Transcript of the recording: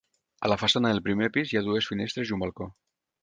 A la façana del primer pis hi ha dues finestres i un balcó.